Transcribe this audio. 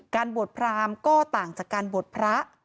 บวชพรามก็ต่างจากการบวชพระ